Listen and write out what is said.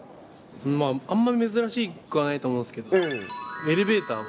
あんまり珍しくはないと思うんですけど、エレベーターが。